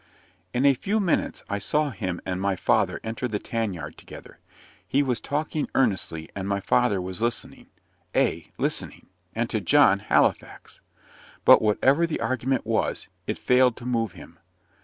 In a few minutes I saw him and my father enter the tan yard together. He was talking earnestly, and my father was listening ay, listening and to John Halifax! But whatever the argument was, it failed to move him.